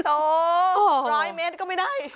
โอ้ร้อยเมตรก็ไม่ได้